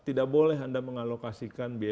tidak boleh anda mengalokasikan biaya